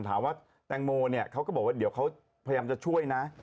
ถามว่าแตงโมเนี่ยเขาก็บอกว่าเดี๋ยวเขาพยายามจะช่วยนะ